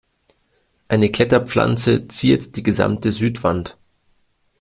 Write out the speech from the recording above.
Eine Kletterpflanze ziert die gesamte Südwand.